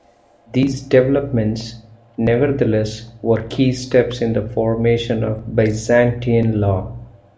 These developments, nevertheless, were key steps in the formation of Byzantine Law.